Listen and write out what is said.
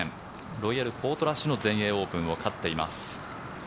ロイヤル・ポートラッシュの全英オープンを勝っています。